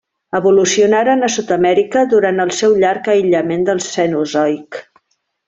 Evolucionaren a Sud-amèrica durant el seu llarg aïllament del Cenozoic.